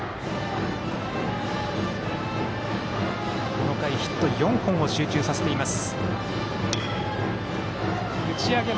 この回、ヒット４本を集中させています。